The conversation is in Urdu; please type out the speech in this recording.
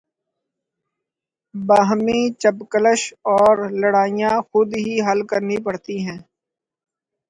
باہمی چپقلشیں اور لڑائیاں خود ہی حل کرنی پڑتی ہیں۔